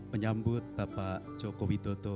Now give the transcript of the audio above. menyambut bapak joko widodo